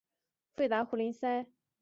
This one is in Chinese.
胡达费林县居民多操阿塞拜疆语。